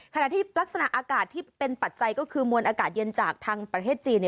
ขณะที่ลักษณะอากาศที่เป็นปัจจัยก็คือมวลอากาศเย็นจากทางประเทศจีน